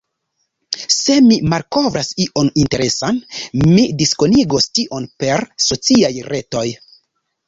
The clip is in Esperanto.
Se mi malkovras ion interesan, mi diskonigos tion per sociaj retoj.